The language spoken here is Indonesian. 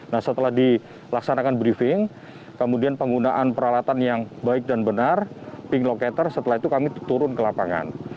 nah setelah dilaksanakan briefing kemudian penggunaan peralatan yang baik dan benar pink locator setelah itu kami turun ke lapangan